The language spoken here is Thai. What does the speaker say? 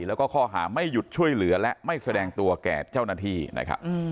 แล้วก็ข้อหาไม่หยุดช่วยเหลือและไม่แสดงตัวแก่เจ้าหน้าที่นะครับ